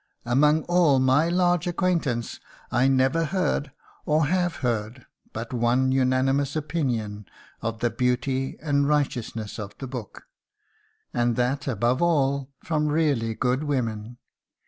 Among all my large acquaintance I never heard, or have heard, but one unanimous opinion of the beauty and righteousness of the book, and that above all from really good women.